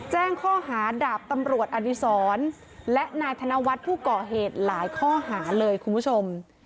แจ้งข้อหาดาบตำรวจอดีศรและนายธนวัฒน์ผู้ก่อเหตุหลายข้อหาเลยคุณผู้ชม